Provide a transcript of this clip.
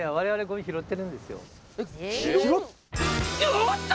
おっと！